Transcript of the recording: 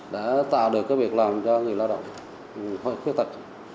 đã tạo được cái việc làm cho người lao động hội khuyết tật